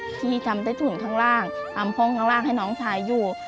ที่ทำใต้ถุนข้างล่างทำห้องข้างล่างให้น้องชายอยู่